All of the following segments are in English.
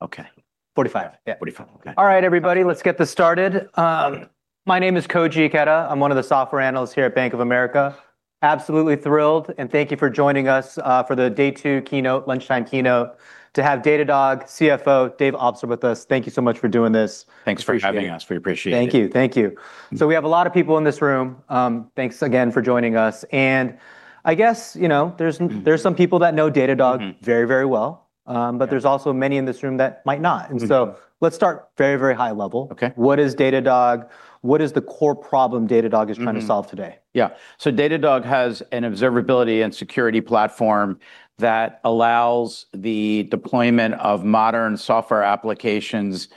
All right, everybody, let's get this started. My name is Koji Ikeda. I'm one of the software analysts here at Bank of America. Absolutely thrilled. Thank you for joining us for the day two keynote, lunchtime keynote. To have Datadog CFO David Obstler with us, thank you so much for doing this. Appreciate it. Thanks for having us. We appreciate it. Thank you. Thank you. We have a lot of people in this room. Thanks again for joining us. some people that know Datadog very, very well. There's also many in this room that might not. Let's start very high level. What is Datadog? What is the core problem Datadog is trying to solve today? Yeah. Datadog has an observability and security platform that allows the deployment of modern software applications,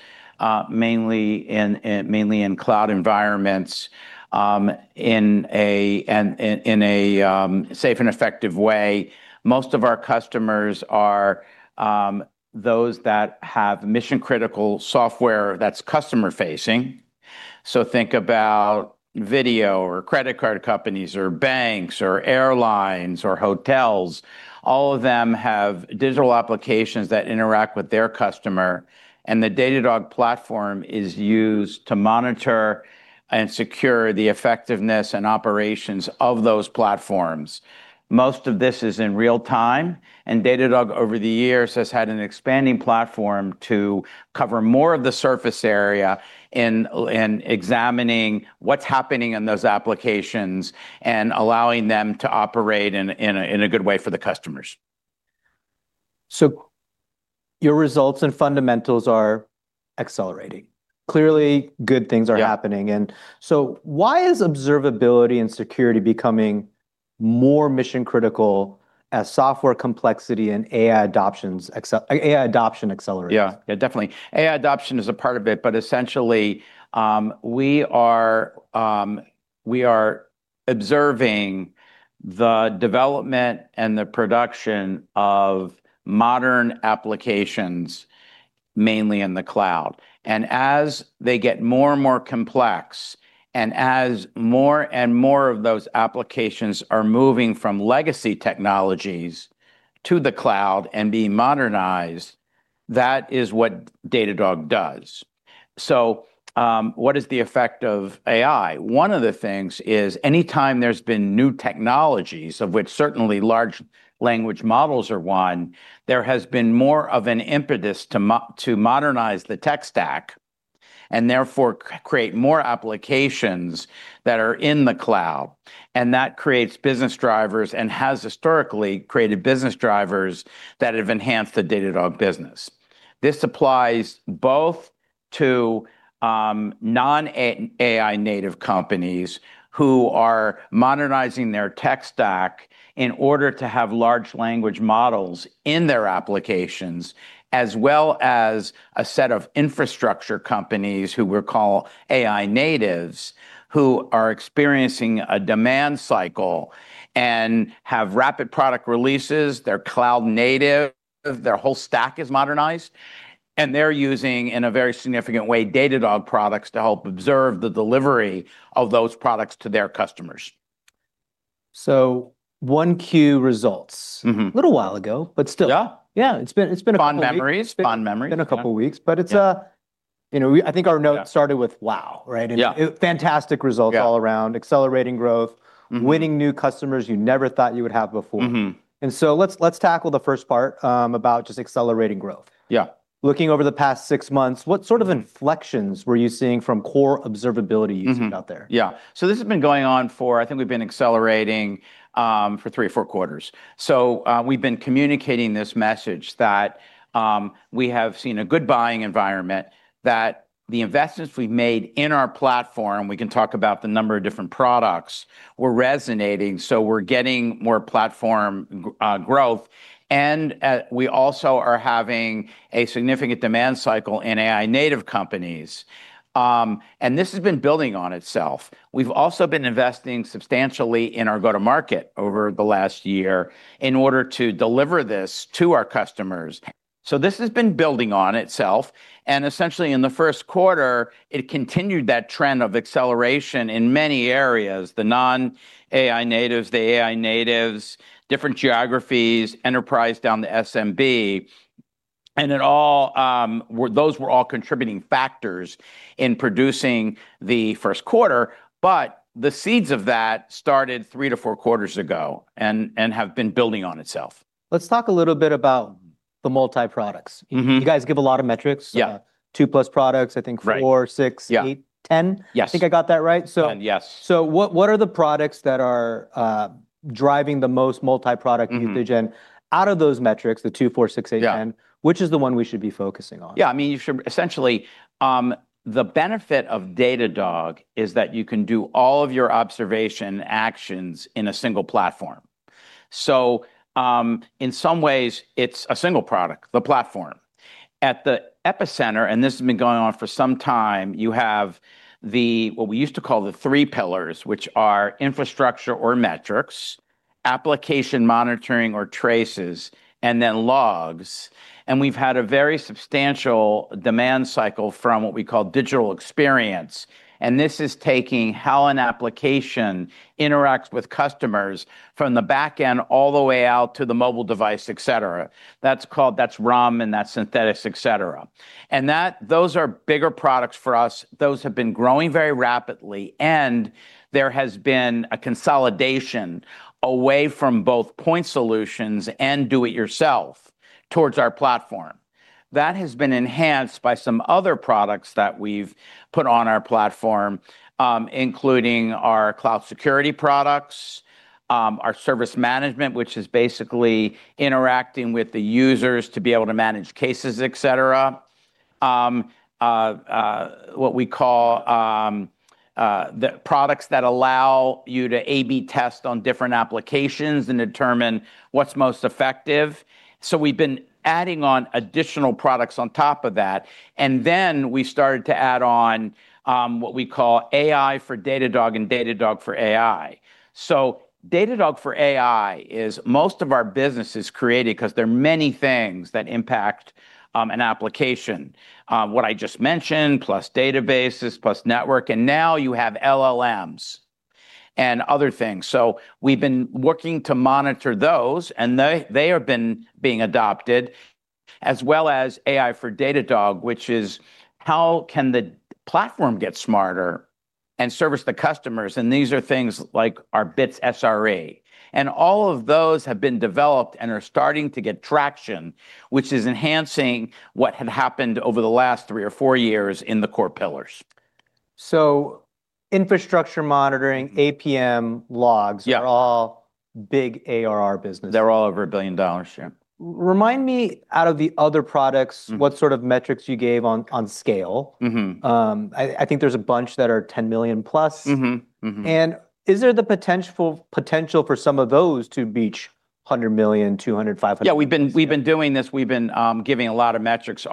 mainly in cloud environments, in a safe and effective way. Most of our customers are those that have mission-critical software that's customer facing. Think about video or credit card companies or banks or airlines or hotels. All of them have digital applications that interact with their customer. The Datadog platform is used to monitor and secure the effectiveness and operations of those platforms. Most of this is in real time. Datadog, over the years, has had an expanding platform to cover more of the surface area in examining what's happening in those applications and allowing them to operate in a good way for the customers. Your results and fundamentals are accelerating. Clearly, good things are happening. Why is observability and security becoming more mission critical as software complexity and AI adoption accelerates? Yeah. Yeah, definitely. AI adoption is a part of it, but essentially, we are observing the development and the production of modern applications, mainly in the cloud. As they get more and more complex, and as more and more of those applications are moving from legacy technologies to the cloud and being modernized, that is what Datadog does. What is the effect of AI? One of the things is any time there's been new technologies, of which certainly large language models are one, there has been more of an impetus to modernize the tech stack, and therefore, create more applications that are in the cloud. That creates business drivers and has historically created business drivers that have enhanced the Datadog business. This applies both to non-AI native companies who are modernizing their tech stack in order to have large language models in their applications, as well as a set of infrastructure companies who we call AI natives, who are experiencing a demand cycle and have rapid product releases. They're cloud native. Their whole stack is modernized, and they're using, in a very significant way, Datadog products to help observe the delivery of those products to their customers. 1Q results. Little while ago, but still. Yeah. Yeah. It's been a couple weeks. Fun memories. Fun memories. Yeah. It's been a couple weeks. I think our started with wow, right? Fantastic results all around. Accelerating growth. Winning new customers you never thought you would have before. Let's tackle the first part about just accelerating growth. Looking over the past six months, what sort of inflections were you seeing from core observability teams out there? Yeah. This has been going on for, I think we've been accelerating for three or four quarters. We've been communicating this message that we have seen a good buying environment, that the investments we've made in our platform, we can talk about the number of different products, were resonating, so we're getting more platform growth. We also are having a significant demand cycle in AI native companies. This has been building on itself. We've also been investing substantially in our go-to market over the last year in order to deliver this to our customers. This has been building on itself, and essentially in the first quarter, it continued that trend of acceleration in many areas. The non-AI natives, the AI natives, different geographies, enterprise down to SMB. Those were all contributing factors in producing the first quarter. The seeds of that started three to four quarters ago and have been building on itself. Let's talk a little bit about the multi-products. You guys give a lot of metrics. Two plus products, I think four, six, eight, 10? I think I got that right? 10, yes. What are the products that are driving the most multi-product usage? Out of those metrics, the two, four, six, eight, 10, which is the one we should be focusing on? Essentially, the benefit of Datadog is that you can do all of your observation actions in a single platform. In some ways, it's a single product, the platform. At the epicenter, and this has been going on for some time, you have the, what we used to call the three pillars, which are Infrastructure or metrics, Application Monitoring or traces, and then logs. We've had a very substantial demand cycle from what we call Digital Experience. This is taking how an application interacts with customers from the back end all the way out to the mobile device, et cetera. That's called, that's RUM, and that's Synthetics, et cetera. Those are bigger products for us. Those have been growing very rapidly, and there has been a consolidation away from both point solutions and do it yourself towards our platform. That has been enhanced by some other products that we've put on our platform, including our Cloud Security products, our Service Management, which is basically interacting with the users to be able to manage cases, et cetera. What we call the products that allow you to A/B test on different applications and determine what's most effective. We've been adding on additional products on top of that, and then we started to add on what we call AI for Datadog and Datadog for AI. Datadog for AI is most of our business is created because there are many things that impact an application. What I just mentioned, plus databases, plus network, and now you have LLMs and other things. We've been working to monitor those, and they are being adopted as well as AI for Datadog, which is how can the platform get smarter and service the customers, and these are things like our Bits SRE. All of those have been developed and are starting to get traction, which is enhancing what had happened over the last three or four years in the core pillars. Infrastructure Monitoring, APM logs are all big ARR businesses. They're all over $1 billion, sure. Remind me, out of the other products. What sort of metrics you gave on scale? I think there's a bunch that are $10+ million. Is there the potential for some of those to reach $100 million, $200 million, $500 million? We've been doing this. We've been giving a lot of metrics.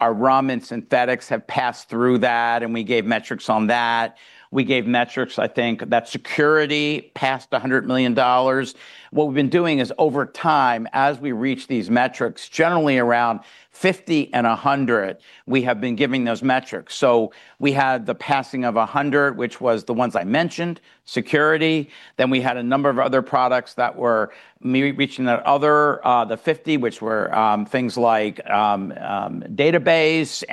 Our RUM and Synthetics have passed through that, we gave metrics on that. We gave metrics, I think, that Security passed $100 million. We've been doing is over time, as we reach these metrics, generally around 50 and 100, we have been giving those metrics. We had the passing of 100, which was the ones I mentioned, Security. We had a number of other products that were reaching the 50, which were things like database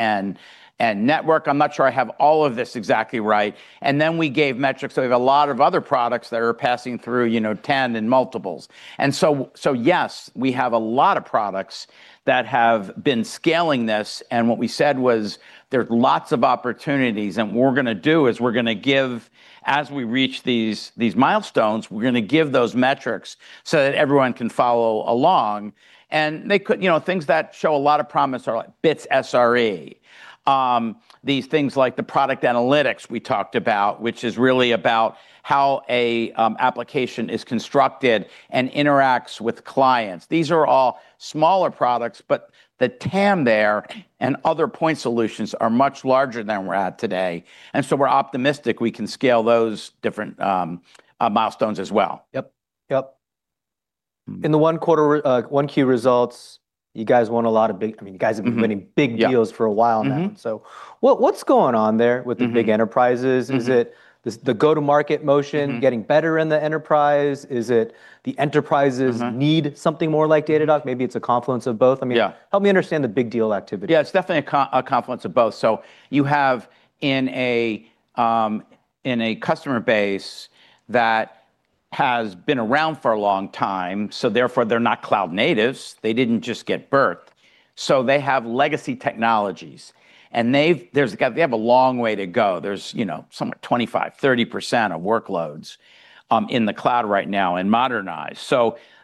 and network. I'm not sure I have all of this exactly right. We gave metrics, we have a lot of other products that are passing through 10 in multiples. Yes, we have a lot of products that have been scaling this, and what we said was there's lots of opportunities, and what we're going to do is we're going to give, as we reach these milestones, we're going to give those metrics so that everyone can follow along. Things that show a lot of promise are like Bits AI SRE. These things like the Product Analytics we talked about, which is really about how an application is constructed and interacts with clients. These are all smaller products, but the TAM there and other point solutions are much larger than we're at today, and so we're optimistic we can scale those different milestones as well. Yep. In the oneQ results, you guys won a lot of, I mean, you guys have been winning big deals for a while now. What's going on there with the big enterprises? Is it the go-to-market motion getting better in the enterprise need something more like Datadog? Maybe it's a confluence of both. Help me understand the big deal activity. Yeah, it's definitely a confluence of both. You have in a customer base that has been around for a long time, therefore, they're not cloud natives, they didn't just get birthed. They have legacy technologies. They have a long way to go. There's somewhat 25%-30% of workloads in the cloud right now and modernized.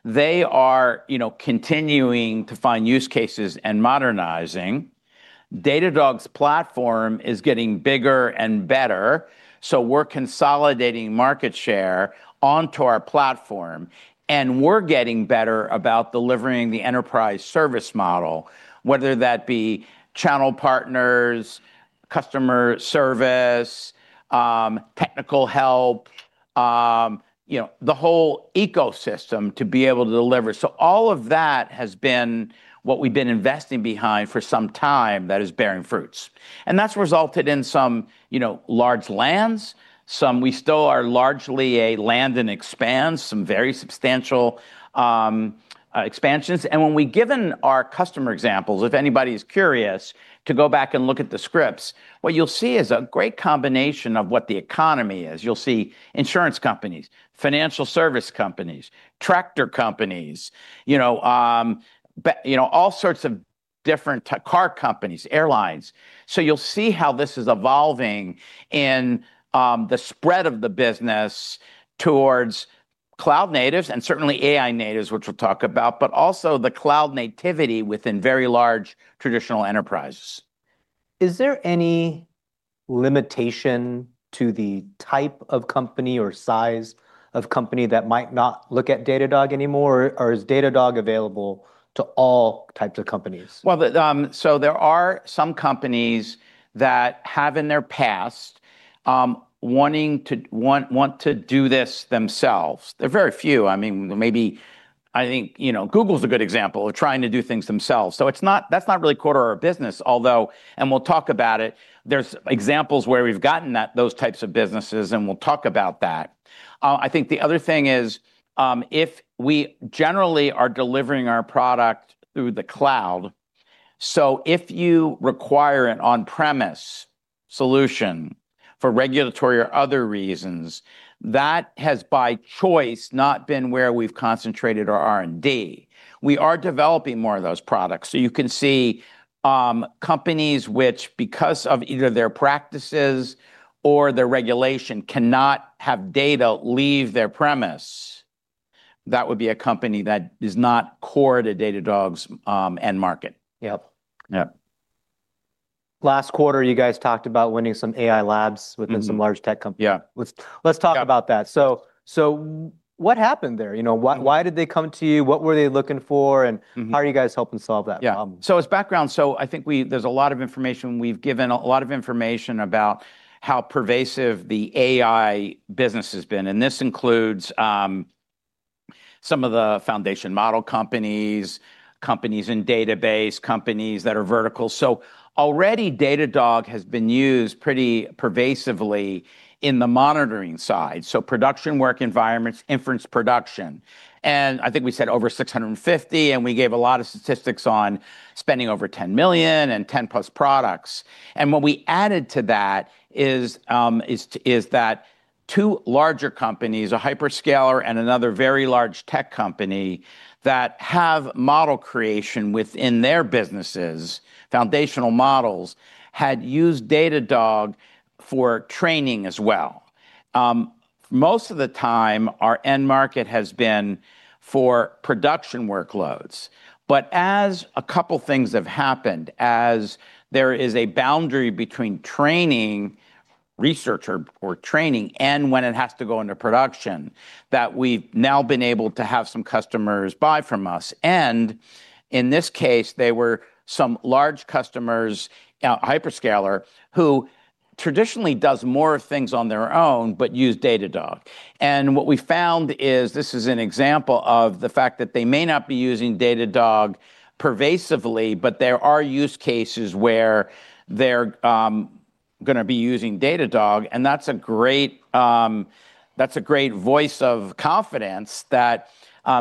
They are continuing to find use cases and modernizing. Datadog's platform is getting bigger and better, we're consolidating market share onto our platform, we're getting better about delivering the enterprise service model, whether that be channel partners, customer service, technical help, the whole ecosystem to be able to deliver. All of that has been what we've been investing behind for some time that is bearing fruits. That's resulted in some large lands. We still are largely a land and expand, some very substantial expansions. When we've given our customer examples, if anybody is curious to go back and look at the scripts, what you'll see is a great combination of what the economy is. You'll see insurance companies, financial service companies, tractor companies, all sorts of different car companies, airlines. You'll see how this is evolving in the spread of the business towards cloud natives and certainly AI natives, which we'll talk about, but also the cloud nativity within very large traditional enterprises. Is there any limitation to the type of company or size of company that might not look at Datadog anymore, or is Datadog available to all types of companies? Well, there are some companies that have in their past want to do this themselves. They're very few. I mean, maybe I think Google's a good example of trying to do things themselves. That's not really core to our business, although, and we'll talk about it, there's examples where we've gotten those types of businesses, and we'll talk about that. I think the other thing is, if we generally are delivering our product through the cloud, so if you require an on-premise solution for regulatory or other reasons, that has by choice not been where we've concentrated our R&D. We are developing more of those products, so you can see companies which, because of either their practices or their regulation, cannot have data leave their premise. That would be a company that is not core to Datadog's end market. Yep. Yep. Last quarter, you guys talked about winning some AI labs within some large tech companies. Let's talk about that. What happened there? Why did they come to you? What were they looking for how are you guys helping solve that problem? Yeah. As background, I think there's a lot of information we've given, a lot of information about how pervasive the AI business has been, this includes some of the foundation model companies in database, companies that are vertical. Already Datadog has been used pretty pervasively in the monitoring side. Production work environments, inference production, I think we said over 650, we gave a lot of statistics on spending over $10 million and 10+ products. What we added to that is that two larger companies, a hyperscaler and another very large tech company that have model creation within their businesses, foundational models, had used Datadog for training as well. Most of the time, our end market has been for production workloads. As a couple things have happened, as there is a boundary between training research or training and when it has to go into production, that we've now been able to have some customers buy from us. In this case, they were some large customers, a hyperscaler, who traditionally does more things on their own but use Datadog. What we found is this is an example of the fact that they may not be using Datadog pervasively, but there are use cases where they're going to be using Datadog, and that's a great voice of confidence that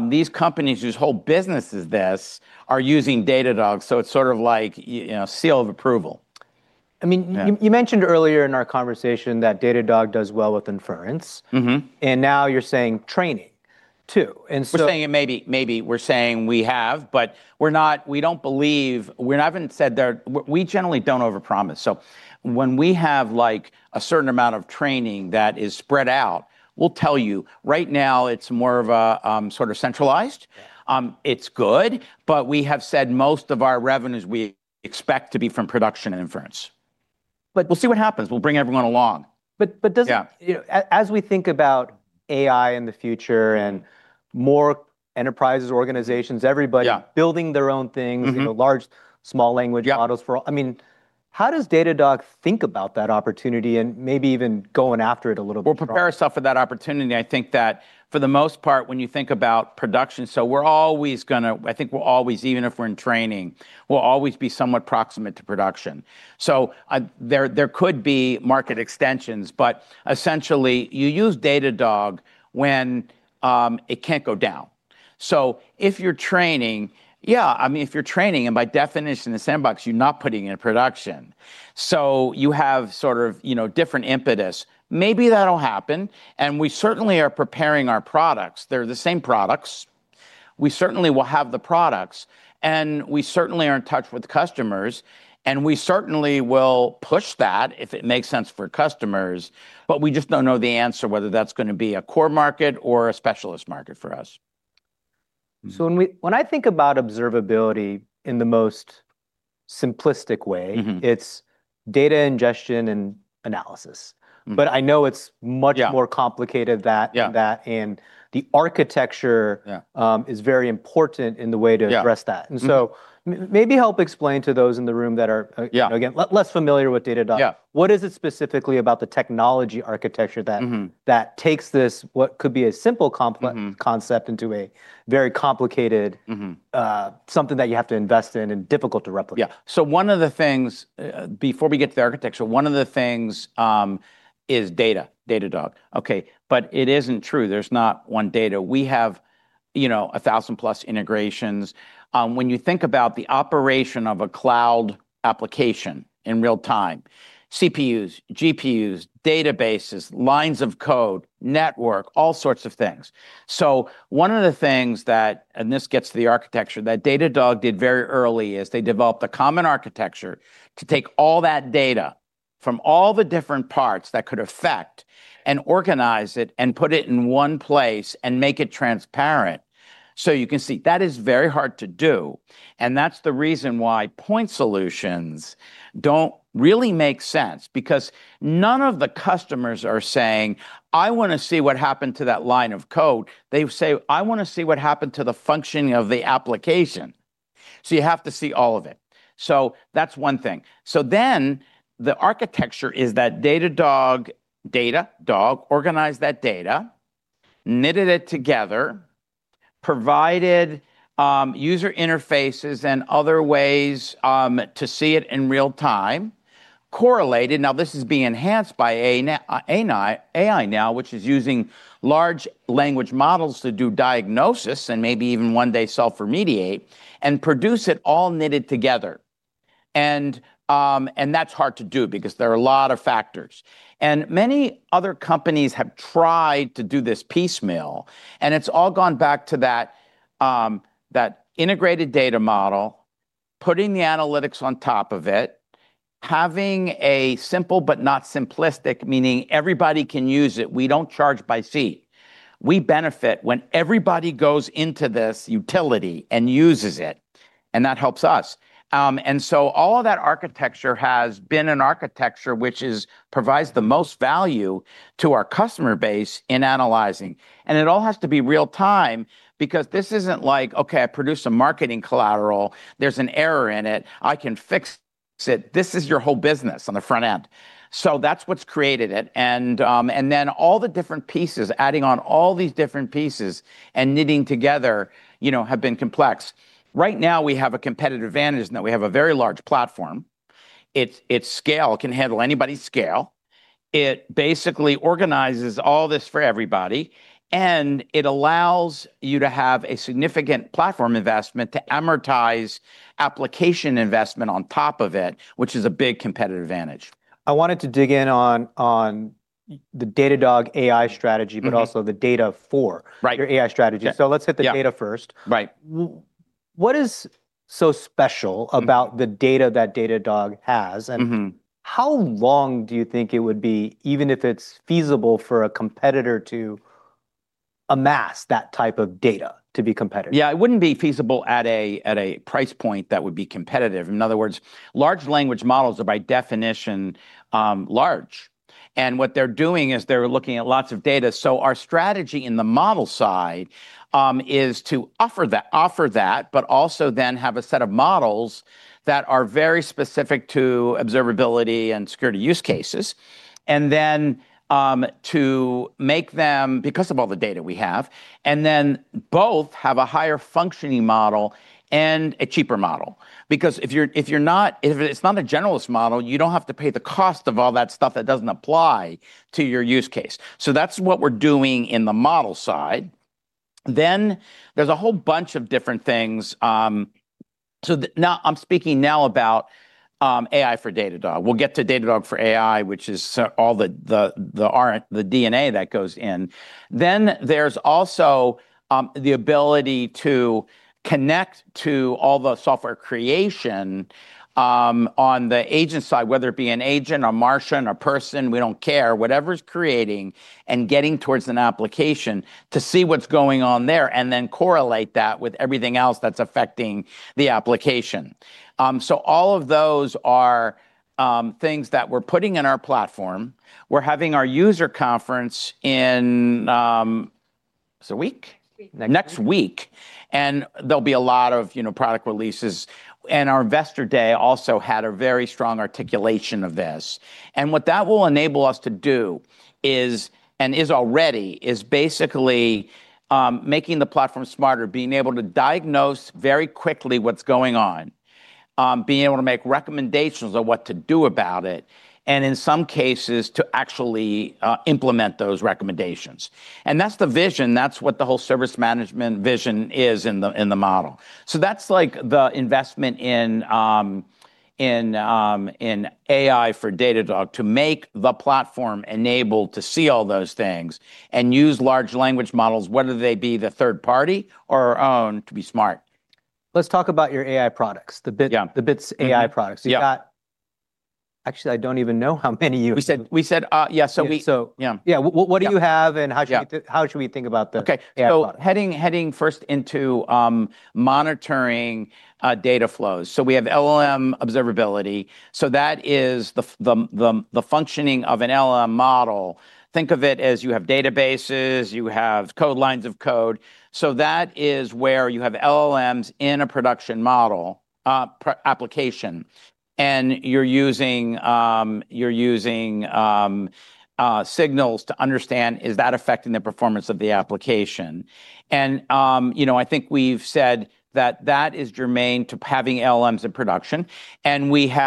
these companies whose whole business is this are using Datadog. It's sort of like a seal of approval. You mentioned earlier in our conversation that Datadog does well with inference. Now you're saying training too. We're saying it maybe. Maybe we're saying we have, but we haven't said. We generally don't overpromise. When we have a certain amount of training that is spread out, we'll tell you. Right now, it's more of a sort of centralized. Yeah. It's good, but we have said most of our revenues we expect to be from production and inference. We'll see what happens. We'll bring everyone along. But does it, as we think about AI in the future and more enterprises, organizations building their own things, large small language models, for all. How does Datadog think about that opportunity and maybe even going after it a little bit? We'll prepare ourselves for that opportunity. I think that for the most part, when you think about production, so I think we're always, even if we're in training, we'll always be somewhat proximate to production. There could be market extensions, but essentially you use Datadog when it can't go down. If you're training, yeah, if you're training, and by definition the sandbox you're not putting into production. You have different impetus. Maybe that'll happen, and we certainly are preparing our products. They're the same products. We certainly will have the products, and we certainly are in touch with customers, and we certainly will push that if it makes sense for customers. We just don't know the answer whether that's going to be a core market or a specialist market for us. When I think about observability in the most simplistic way. It's data ingestion and analysis. I know it's much more complicated than that, and the architecture is very important in the way to address that. Yeah. Mm-hmm. Maybe help explain to those in the room, again, less familiar with Datadog. What is it specifically about the technology architecture that takes this what could be a simple concept into a very complicated something that you have to invest in and difficult to replicate? Yeah. Before we get to the architecture, one of the things is data. Datadog. Okay. It isn't true. There's not one data. We have 1,000+ integrations. When you think about the operation of a cloud application in real time, CPUs, GPUs, databases, lines of code, network, all sorts of things. One of the things that, and this gets to the architecture, that Datadog did very early is they developed a common architecture to take all that data from all the different parts that could affect and organize it and put it in one place and make it transparent so you can see. That is very hard to do, and that's the reason why point solutions don't really make sense because none of the customers are saying, "I want to see what happened to that line of code." They say, "I want to see what happened to the functioning of the application." So you have to see all of it. That's one thing. The architecture is that Datadog organized that data, knitted it together, provided user interfaces and other ways to see it in real time, correlated. This is being enhanced by AI now, which is using large language models to do diagnosis and maybe even one day self-remediate, and produce it all knitted together. That's hard to do because there are a lot of factors. Many other companies have tried to do this piecemeal, and it's all gone back to that integrated data model, putting the analytics on top of it, having a simple but not simplistic, meaning everybody can use it. We don't charge by seat. We benefit when everybody goes into this utility and uses it, and that helps us. All of that architecture has been an architecture which provides the most value to our customer base in analyzing. It all has to be real time because this isn't like, okay, I produced some marketing collateral. There's an error in it. I can fix it. This is your whole business on the front end. That's what's created it. Then all the different pieces, adding on all these different pieces and knitting together, have been complex. Right now we have a competitive advantage in that we have a very large platform. Its scale can handle anybody's scale. It basically organizes all this for everybody, and it allows you to have a significant platform investment to amortize application investment on top of it, which is a big competitive advantage. I wanted to dig in on the Datadog AI strategy also the data for your AI strategy. Let's hit the data first. What is so special about the data that Datadog has? How long do you think it would be, even if it's feasible for a competitor to amass that type of data to be competitive? Yeah, it wouldn't be feasible at a price point that would be competitive. In other words, large language models are by definition large. What they're doing is they're looking at lots of data. Our strategy in the model side is to offer that, but also then have a set of models that are very specific to observability and security use cases. Then to make them because of all the data we have, and then both have a higher functioning model and a cheaper model. If it's not a generalist model, you don't have to pay the cost of all that stuff that doesn't apply to your use case. That's what we're doing in the model side. There's a whole bunch of different things. I'm speaking now about AI for Datadog. We'll get to Datadog for AI, which is all the DNA that goes in. There's also the ability to connect to all the software creation on the agent side, whether it be an agent or machine or person, we don't care. Whatever's creating and getting towards an application to see what's going on there and then correlate that with everything else that's affecting the application. All of those are things that we're putting in our platform. We're having our user conference in, is it a week? Next week. There'll be a lot of product releases. Our investor day also had a very strong articulation of this. What that will enable us to do is, and is already, is basically making the platform smarter, being able to diagnose very quickly what's going on, being able to make recommendations on what to do about it, and in some cases to actually implement those recommendations. That's the vision. That's what the whole Service Management vision is in the model. That's like the investment in AI for Datadog to make the platform enabled to see all those things and use large language models, whether they be the third party or our own to be smart. Let's talk about your AI products. The Bits AI products. Actually I don't even know how many you have. What do you have and how should we think about the AI products? Heading first into monitoring data flows. We have LLM Observability. That is the functioning of an LLM model. Think of it as you have databases, you have lines of code. That is where you have LLMs in a production model application. You're using signals to understand is that affecting the performance of the application. I think we've said that that is germane to having LLMs in production. We've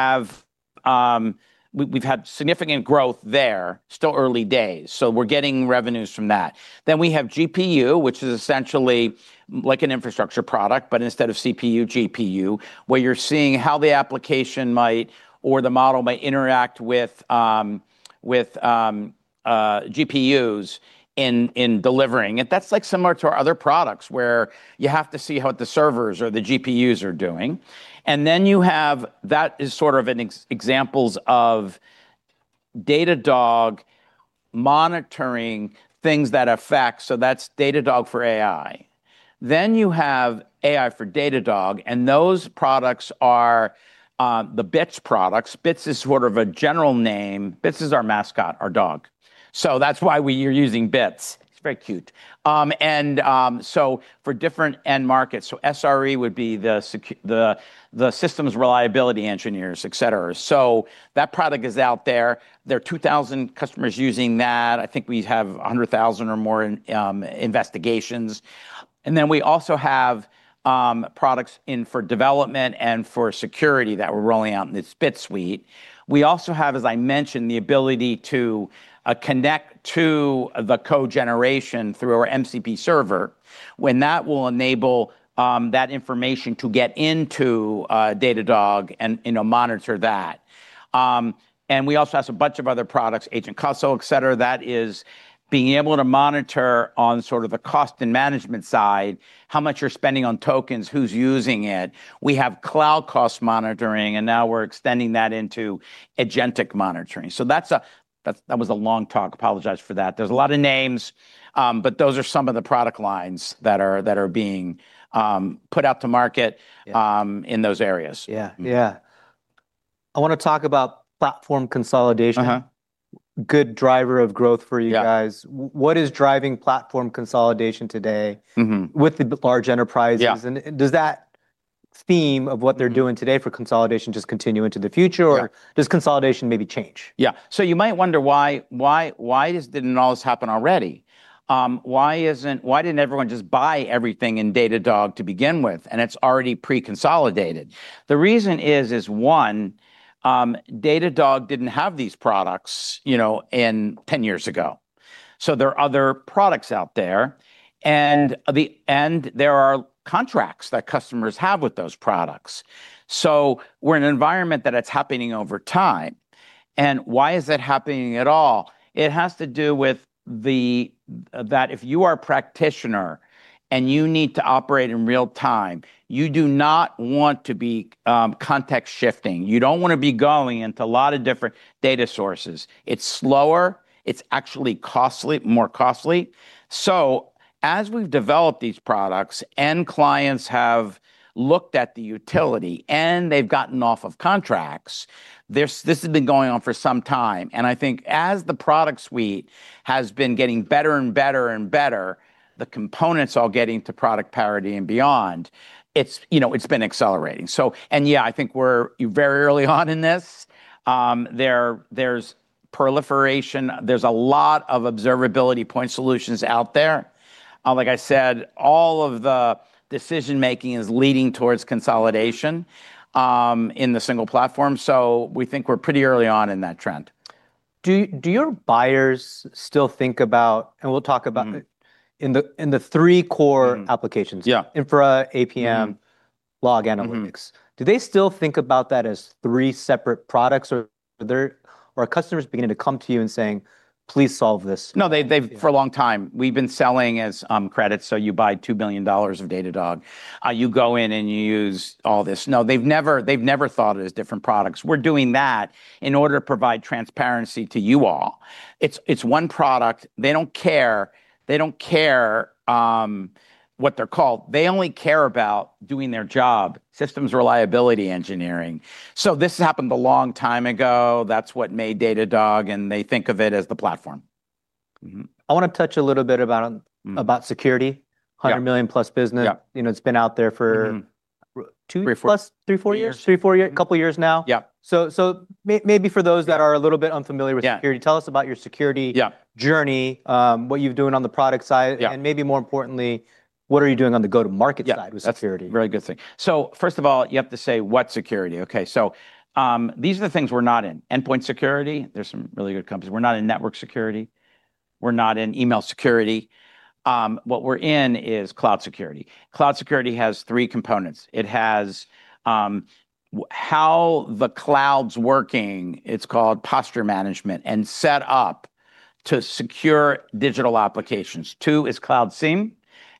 had significant growth there, still early days. We're getting revenues from that. We have GPU, which is essentially like an infrastructure product, but instead of CPU, GPU, where you're seeing how the application might or the model might interact with GPUs in delivering. That's similar to our other products where you have to see how the servers or the GPUs are doing. That is sort of examples of Datadog Monitoring things that affect, so that's Datadog for AI. You have AI for Datadog, and those products are the Bits products. Bits is sort of a general name. Bits is our mascot, our dog, that's why we are using Bits. It's very cute. For different end markets, SRE would be the systems reliability engineers, et cetera. That product is out there. There are 2,000 customers using that. I think we have 100,000 or more investigations. We also have products in for development and for security that we're rolling out in the Bits suite. We also have, as I mentioned, the ability to connect to the code generation through our MCP Server, when that will enable that information to get into Datadog and monitor that. We also have a bunch of other products, Cloud Cost Management, et cetera, that is being able to monitor on sort of the cost and management side, how much you're spending on tokens, who's using it. We have Cloud Cost Management, and now we're extending that into agentic monitoring. That was a long talk. Apologize for that. There's a lot of names, but those are some of the product lines that are being put out to market in those areas. Yeah. I want to talk about platform consolidation. Good driver of growth for you guys. What is driving platform consolidation today with the large enterprises? Does that theme of what they're doing today for consolidation just continue into the future? Does consolidation maybe change? Yeah. You might wonder why didn't all this happen already? Why didn't everyone just buy everything in Datadog to begin with, and it's already pre-consolidated? The reason is, one, Datadog didn't have these products 10 years ago. There are other products out there, and there are contracts that customers have with those products. We're in an environment that it's happening over time. Why is it happening at all? It has to do with that if you are a practitioner and you need to operate in real time, you do not want to be context shifting. You don't want to be going into a lot of different data sources. It's slower. It's actually more costly. As we've developed these products and clients have looked at the utility and they've gotten off of contracts, this has been going on for some time. I think as the product suite has been getting better and better and better, the components all getting to product parity and beyond, it's been accelerating. Yeah, I think we're very early on in this. There's proliferation. There's a lot of observability point solutions out there. Like I said, all of the decision making is leading towards consolidation in the single platform. We think we're pretty early on in that trend. Do your buyers still think about, and we'll talk about in the three core applications. Infra, APM, log analytics. Do they still think about that as three separate products, or are customers beginning to come to you and saying, "Please solve this"? No. For a long time, we've been selling as credit. You buy $2 billion of Datadog, you go in and you use all this. No, they've never thought of it as different products. We're doing that in order to provide transparency to you all. It's one product. They don't care what they're called. They only care about doing their job, site reliability engineering. This happened a long time ago. That's what made Datadog, and they think of it as the platform. I want to touch a little bit about security. $100+ million business. It's been out there for two plus, three, four years? Three, four, couple years now. Maybe for those that are a little bit unfamiliar with security, tell us about your security journey, what you're doing on the product side. Maybe more importantly, what are you doing on the go-to-market side with security? That's a very good thing. First of all, you have to say what security. Okay, these are the things we're not in. Endpoint security, there's some really good companies. We're not in network security. We're not in email security. What we're in is Cloud Security. Cloud Security has three components. It has how the cloud's working, it's called Posture Management, and set up to secure digital applications. Two is Cloud SIEM.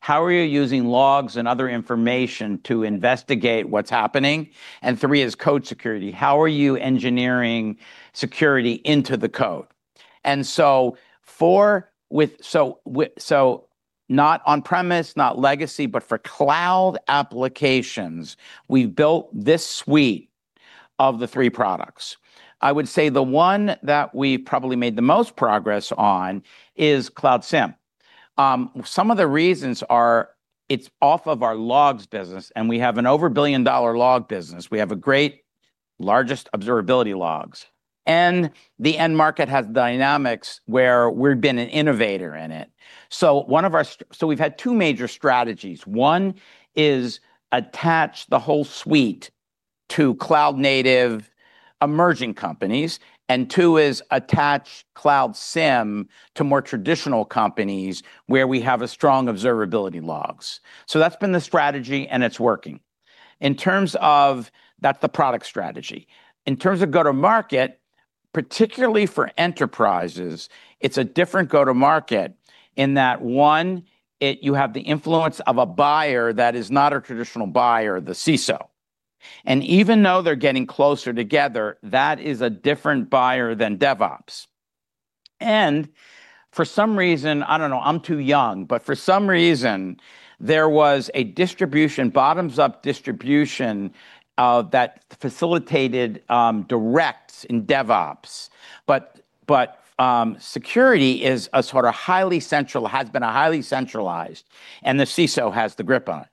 How are you using logs and other information to investigate what's happening? Three is Code Security. How are you engineering security into the code? Not on premise, not legacy, but for cloud applications, we've built this suite of the three products. I would say the one that we probably made the most progress on is Cloud SIEM. Some of the reasons are it's off of our logs business, and we have an over $1 billion log business. We have a great largest observability logs, and the end market has dynamics where we've been an innovator in it. We've had two major strategies. One is attach the whole suite to cloud-native emerging companies, and two is attach Cloud SIEM to more traditional companies where we have a strong observability logs. That's been the strategy, and it's working. That's the product strategy. In terms of go to market, particularly for enterprises, it's a different go to market in that, one, you have the influence of a buyer that is not a traditional buyer, the CISO. And even though they're getting closer together, that is a different buyer than DevOps. For some reason, I don't know, I'm too young, but for some reason, there was a bottoms-up distribution that facilitated direct in DevOps. Security has been highly centralized, and the CISO has the grip on it.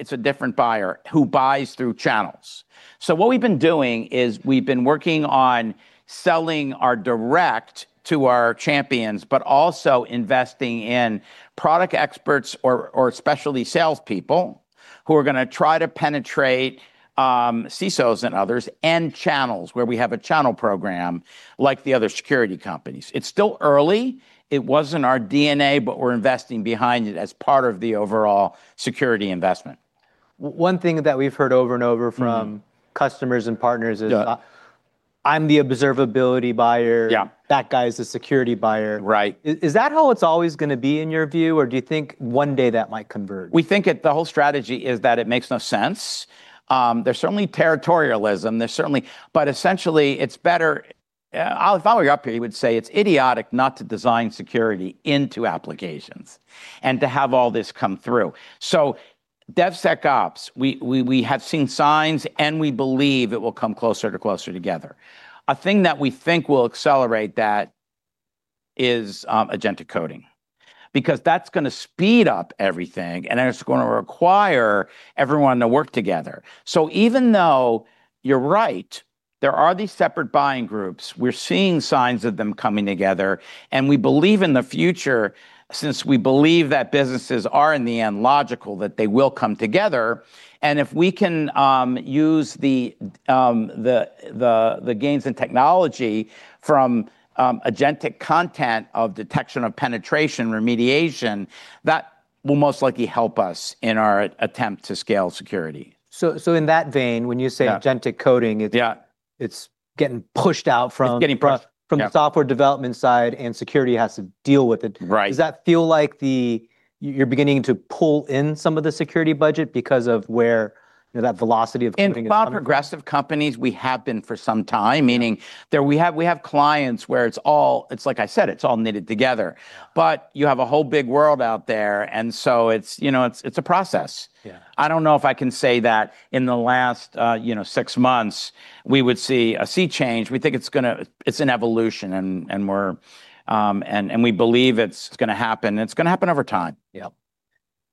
It's a different buyer who buys through channels. What we've been doing is we've been working on selling our direct to our champions, but also investing in product experts or specialty salespeople who are going to try to penetrate CISOs and others and channels, where we have a channel program like the other security companies. It's still early. It wasn't our DNA, but we're investing behind it as part of the overall security investment. One thing that we've heard over and over from customers and partners is. I'm the observability buyer. That guy's the security buyer. Is that how it's always going to be in your view, or do you think one day that might converge? We think the whole strategy is that it makes no sense. There's certainly territorialism. Essentially, if I were up here, you would say it's idiotic not to design security into applications and to have all this come through. DevSecOps, we have seen signs, and we believe it will come closer and closer together. A thing that we think will accelerate that is agentic coding because that's going to speed up everything, and it's going to require everyone to work together. Even though you're right, there are these separate buying groups. We're seeing signs of them coming together, and we believe in the future, since we believe that businesses are in the end logical, that they will come together. If we can use the gains in technology from agentic content of detection of penetration remediation, that will most likely help us in our attempt to scale security. In that vein, when you say agentic coding, it's getting pushed out. It's getting pressed, yeah. From the software development side, and security has to deal with it. Does that feel like you're beginning to pull in some of the security budget because of where that velocity of coding is coming? In cloud-progressive companies, we have been for some time, meaning we have clients where it's like I said, it's all knitted together. You have a whole big world out there, it's a process. I don't know if I can say that in the last six months, we would see a sea change. We think it's an evolution, and we believe it's going to happen. It's going to happen over time. Yeah.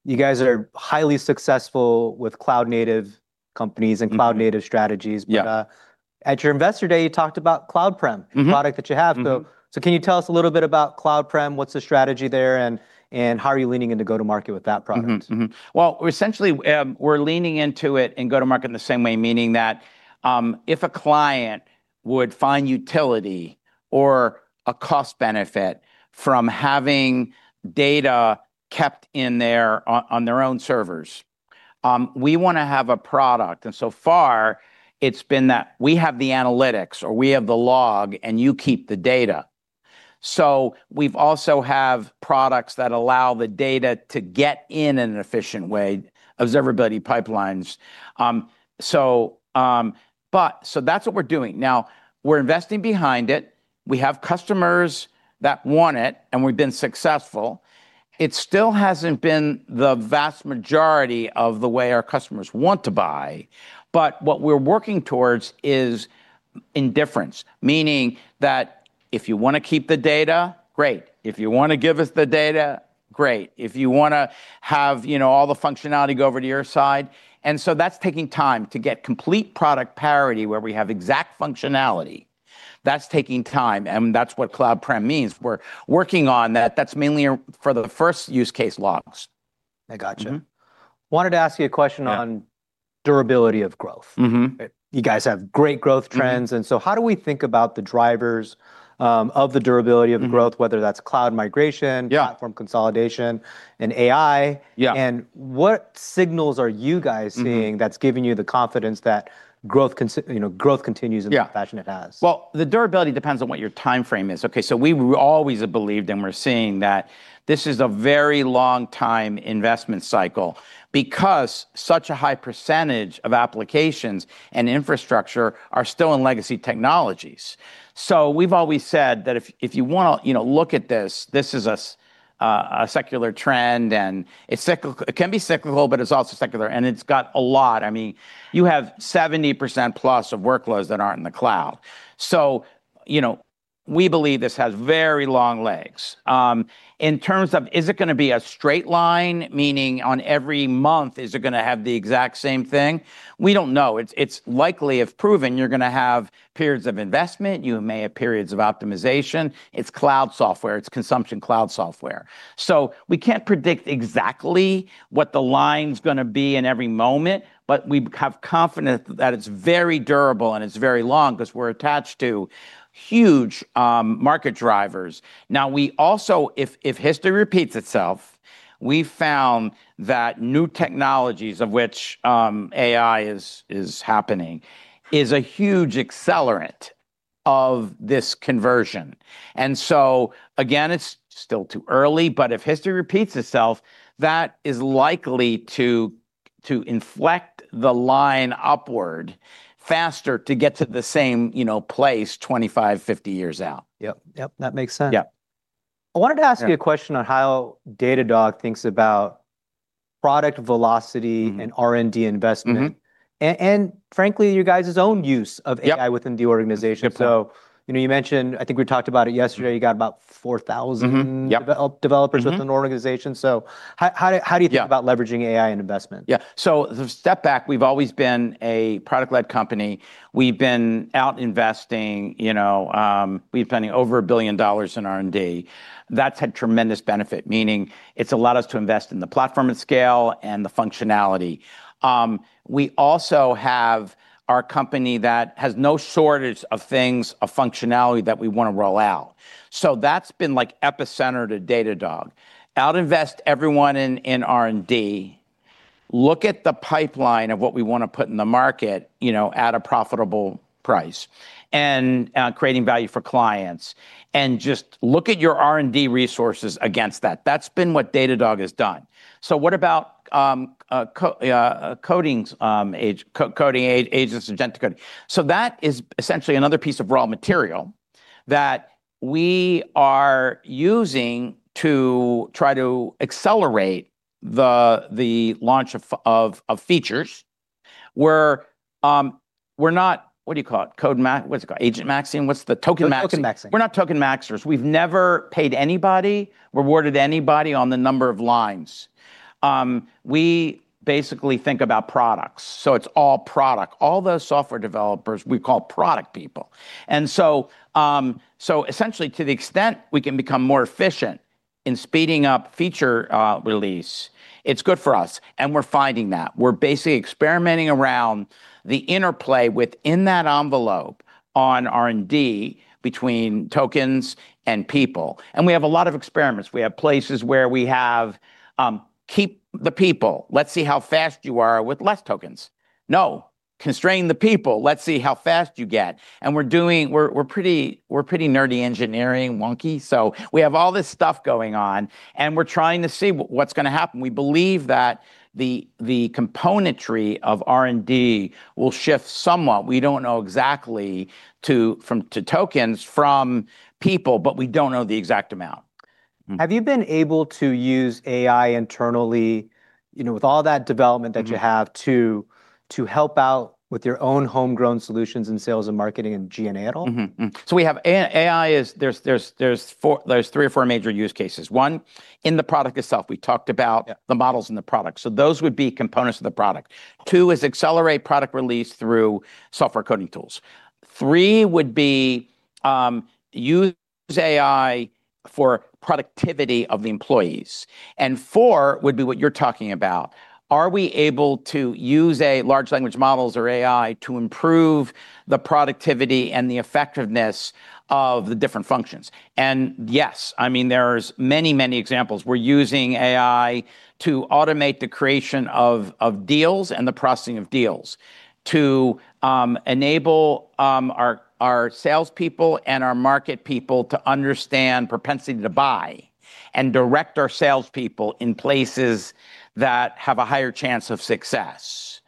You guys are highly successful with cloud-native companies and cloud-native strategies. At your investor day, you talked about Cloud Prem, a product that you have. Can you tell us a little bit about Cloud Prem? What's the strategy there, and how are you leaning into go to market with that product? Essentially, we're leaning into it and go to market in the same way, meaning that if a client would find utility or a cost benefit from having data kept in there on their own servers, we want to have a product. So far it's been that we have the analytics, or we have the log, and you keep the data. We also have products that allow the data to get in in an efficient way, Observability Pipelines. That's what we're doing. Now, we're investing behind it. We have customers that want it, and we've been successful. It still hasn't been the vast majority of the way our customers want to buy. What we're working towards is indifference, meaning that if you want to keep the data, great. If you want to give us the data, great. If you want to have all the functionality go over to your side. That's taking time to get complete product parity where we have exact functionality. That's taking time, and that's what Cloud Prem means. We're working on that. That's mainly for the first use case logs. I got you. Wanted to ask you a question on durability of growth. You guys have great growth trends, and so how do we think about the drivers of the durability of growth, whether that's cloud migration, platform consolidation, and AI? What signals are you guys seeing that's giving you the confidence that growth continues in the fashion it has? Well, the durability depends on what your timeframe is, okay? We always have believed, and we're seeing that this is a very long-time investment cycle because such a high percentage of applications and infrastructure are still in legacy technologies. We've always said that if you want to look at this is a secular trend, and it can be cyclical, but it's also secular, and it's got a lot. You have 70%+ of workloads that aren't in the cloud. We believe this has very long legs. In terms of, is it going to be a straight line, meaning on every month, is it going to have the exact same thing? We don't know. It's likely, if proven, you're going to have periods of investment. You may have periods of optimization. It's cloud software. It's consumption cloud software. We can't predict exactly what the line's going to be in every moment, but we have confidence that it's very durable, and it's very long because we're attached to huge market drivers. We also, if history repeats itself, we found that new technologies, of which AI is happening, is a huge accelerant of this conversion. Again, it's still too early, but if history repeats itself, that is likely to inflect the line upward faster to get to the same place 25, 50 years out. Yep. That makes sense. I wanted to ask you a question on how Datadog thinks about product velocity and R&D investment. Frankly, your guys' own use of. AI within the organization. You mentioned, I think we talked about it yesterday, you got about 4,000 developers within the organization. How do you think about leveraging AI and investment? Yeah. To step back, we've always been a product-led company. We've been out investing. We've been spending over $1 billion in R&D. That's had tremendous benefit, meaning it's allowed us to invest in the platform and scale and the functionality. We also have our company that has no shortage of things, of functionality that we want to roll out. That's been epicenter to Datadog. Out-invest everyone in R&D, look at the pipeline of what we want to put in the market, at a profitable price, and creating value for clients, and just look at your R&D resources against that. That's been what Datadog has done. What about coding agents and agentic coding? That is essentially another piece of raw material that we are using to try to accelerate the launch of features, where we're not, what do you call it? Token maxing, what's it called? Agent maxing, what's the token maxing? Token maxing. We're not token maxers. We've never paid anybody, rewarded anybody on the number of lines. We basically think about products, so it's all product. All those software developers we call product people. Essentially to the extent we can become more efficient in speeding up feature release, it's good for us. We're finding that. We're basically experimenting around the interplay within that envelope on R&D between tokens and people. We have a lot of experiments. We have places where we have, keep the people, let's see how fast you are with less tokens. No. Constrain the people, let's see how fast you get. We're pretty nerdy engineering wonky, so we have all this stuff going on, and we're trying to see what's going to happen. We believe that the componentry of R&D will shift somewhat. We don't know exactly, to tokens from people, but we don't know the exact amount. Have you been able to use AI internally, with all that development that you have to help out with your own homegrown solutions in sales and marketing and G&A at all? AI, there's three or four major use cases. One, in the product itself. We talked about the models in the product. Those would be components of the product. Two is accelerate product release through software coding tools. Three would be use AI for productivity of the employees. Four would be what you're talking about. Are we able to use large language models or AI to improve the productivity and the effectiveness of the different functions? Yes, there's many, many examples. We're using AI to automate the creation of deals and the processing of deals, to enable our salespeople and our market people to understand propensity to buy and direct our salespeople in places that have a higher chance of success.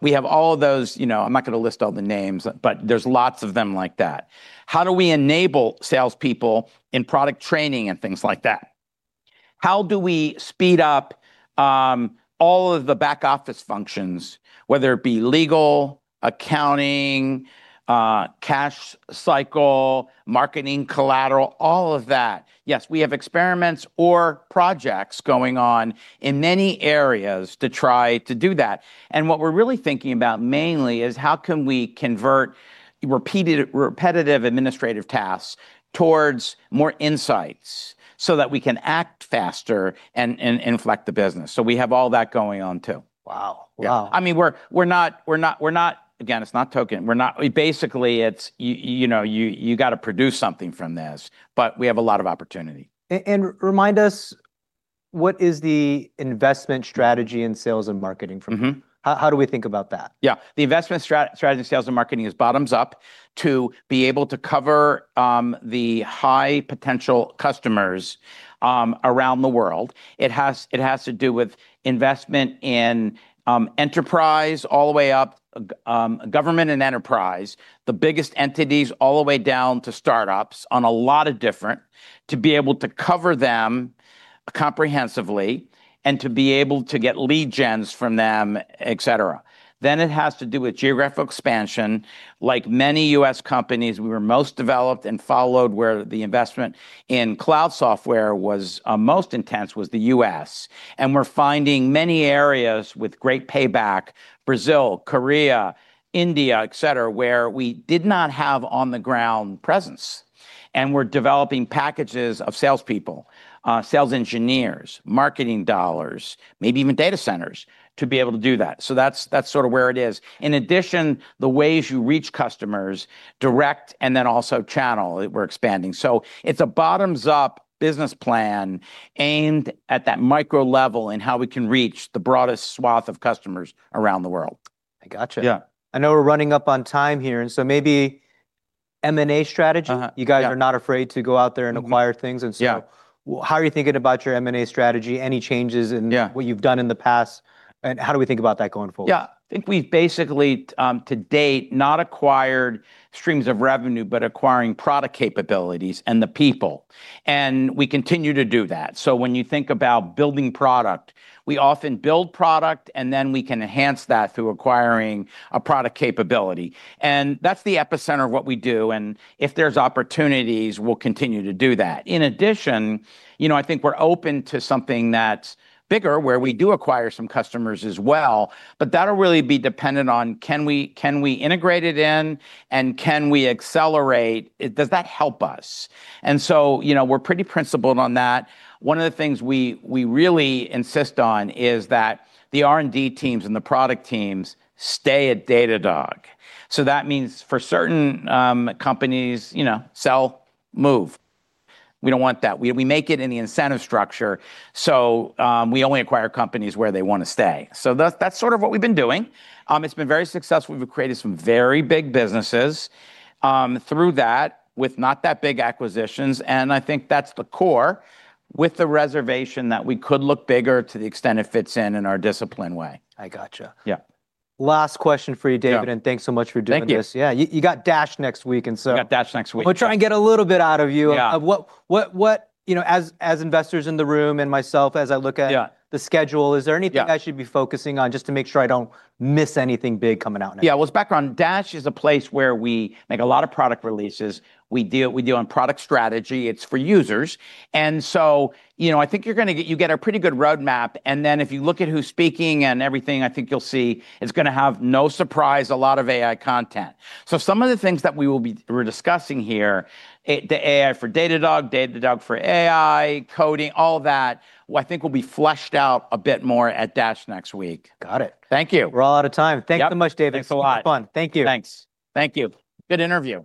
We have all of those. I'm not going to list all the names, but there's lots of them like that. How do we enable salespeople in product training and things like that? How do we speed up all of the back office functions, whether it be legal, accounting, cash cycle, marketing collateral, all of that. Yes, we have experiments or projects going on in many areas to try to do that. What we're really thinking about mainly is how can we convert repetitive administrative tasks towards more insights so that we can act faster and inflect the business. We have all that going on, too. Wow. Yeah. Again, it's not token. Basically, you've got to produce something from this. We have a lot of opportunity. Remind us, what is the investment strategy in sales and marketing for you? How do we think about that? Yeah. The investment strategy in sales and marketing is bottoms up to be able to cover the high potential customers around the world. It has to do with investment in enterprise all the way up, government and enterprise, the biggest entities all the way down to startups to be able to cover them comprehensively and to be able to get lead gens from them, et cetera. It has to do with geographic expansion. Like many U.S. companies, we were most developed and followed where the investment in cloud software was most intense was the U.S. We're finding many areas with great payback, Brazil, Korea, India, et cetera, where we did not have on the ground presence. We're developing packages of salespeople, sales engineers, marketing dollars, maybe even data centers to be able to do that. That's sort of where it is. The ways you reach customers direct and then also channel, we're expanding. It's a bottoms-up business plan aimed at that micro level and how we can reach the broadest swath of customers around the world. I got you. Yeah. I know we're running up on time here. M&A strategy. Uh-huh. Yeah. You guys are not afraid to go out there and acquire things. How are you thinking about your M&A strategy? Any changes in what you've done in the past, and how do we think about that going forward? Yeah. Think we've basically, to date, not acquired streams of revenue, but acquiring product capabilities and the people, and we continue to do that. When you think about building product, we often build product, and then we can enhance that through acquiring a product capability. That's the epicenter of what we do, and if there's opportunities, we'll continue to do that. In addition, I think we're open to something that's bigger, where we do acquire some customers as well, but that'll really be dependent on can we integrate it in and can we accelerate? Does that help us? We're pretty principled on that. One of the things we really insist on is that the R&D teams and the product teams stay at Datadog. That means for certain companies, sell, move. We don't want that. We make it in the incentive structure, so we only acquire companies where they want to stay. That's sort of what we've been doing. It's been very successful. We've created some very big businesses through that with not that big acquisitions, and I think that's the core, with the reservation that we could look bigger to the extent it fits in in our disciplined way. I gotcha. Yeah. Last question for you, David. Thanks so much for doing this. Thank you. Yeah. You got DASH next week. We got DASH next week. We'll try and get a little bit out of you of what, as investors in the room and myself, as I look at the schedule, is there anything I should be focusing on just to make sure I don't miss anything big coming out next week? Well, as background, DASH is a place where we make a lot of product releases. We do product strategy. It's for users. I think you're going to get a pretty good roadmap. If you look at who's speaking and everything, I think you'll see it's going to have, no surprise, a lot of AI content. Some of the things that we're discussing here, the AI for Datadog for AI, coding, all that, I think will be fleshed out a bit more at DASH next week. Got it. Thank you. We're all out of time. Yep. Thank you so much, David. Thanks a lot. It was fun. Thank you. Thanks. Thank you. Good interview.